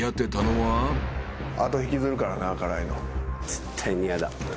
絶対に嫌だ。